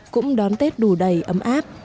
cũng đón tết đủ đầy ấm áp